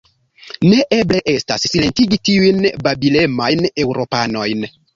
Neeble estas, silentigi tiujn babilemajn Eŭropanojn!